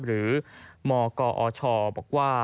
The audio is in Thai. หรือมกอชบอกว่า